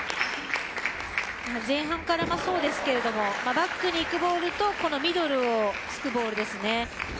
前半からもそうですけどバックにいくボールとこのミドルを突くボールですね。